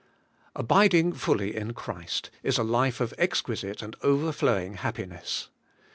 ABIDING fully in Christ is a life of exquisite and overflowing happiness.